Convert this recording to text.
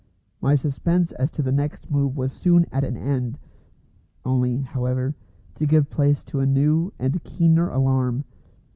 My suspense as to the next move was soon at an end only, however, to give place to a new and keener alarm.